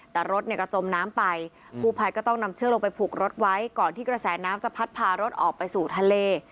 แต่รถเนี่ยก็จมน้ำไปกู้ภัยก็ต้องนำเชือกลงไปผูกรถไว้ก่อนที่กระแสน้ำจะพัดพารถออกไปสู่ทะเล